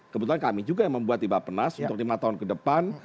kebetulan kami juga yang membuat tiba tiba penas untuk lima tahun ke depan